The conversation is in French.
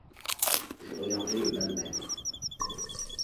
Je regardai le manomètre.